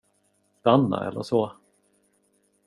Stanna, eller så.